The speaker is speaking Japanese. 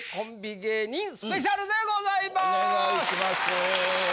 お願いします。